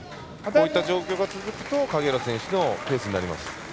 こういった状況が続くと影浦選手のペースになります。